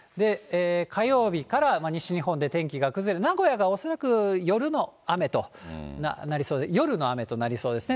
火曜日から西日本で天気が崩れ、名古屋が恐らく夜の雨となりそうで、夜の雨となりそうですね。